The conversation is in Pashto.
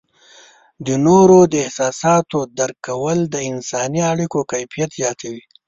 د نورو د احساساتو درک کول د انسانی اړیکو کیفیت زیاتوي.